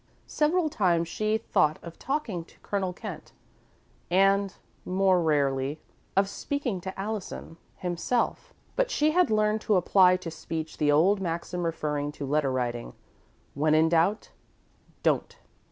Several times she thought of talking to Colonel Kent, and, more rarely, of speaking to Allison himself, but she had learned to apply to speech the old maxim referring to letter writing: "When in doubt, don't."